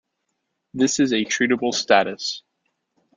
This is a treatable status.